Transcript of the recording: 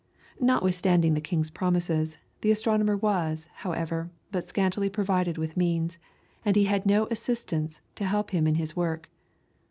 Notwithstanding the king's promises, the astronomer was, however, but scantily provided with means, and he had no assistants to help him in his work.